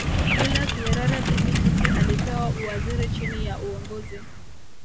Julius Nyerere Bibi Titi alipewa uwaziri chini ya Uongozi